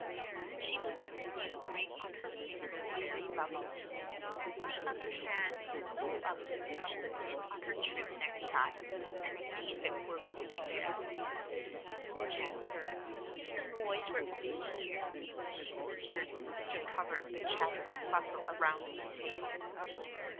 Then she looked at the new ring on her finger very lovingly, and the other hand stole up to pinch the pin on her trim necktie, and see if it were really there. "Oh, Jasper, if the boys were only here!" she whispered, under cover of the chatter and bustle around the table.